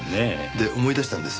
で思い出したんです。